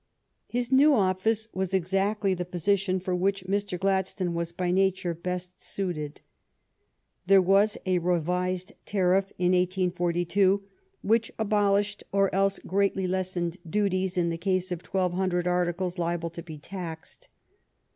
His new office was exactly the position for which Mr. Gladstone was by nature best suited. There was a revised tarif¥ in 1842 which abol ished or else greatly lessened duties in the case of twelve hundred articles liable to be taxed.